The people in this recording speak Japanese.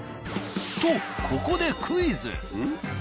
とここでクイズ。